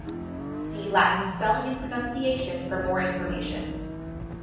See Latin spelling and pronunciation for more information.